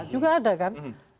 juga ada kan